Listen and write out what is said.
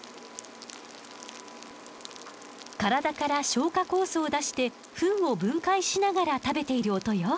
体から消化酵素を出してフンを分解しながら食べている音よ。